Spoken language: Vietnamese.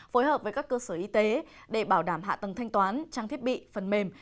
phối hợp với các cơ sở y tế để bảo đảm hạ tầng thanh toán trang thiết bị phần mềm